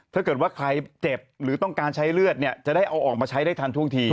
ถ้าเกิดว่าใครเจ็บหรือต้องการใช้เลือดเนี่ยจะได้เอาออกมาใช้ได้ทันท่วงที